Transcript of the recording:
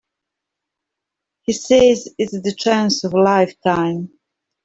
He says it's the chance of a lifetime.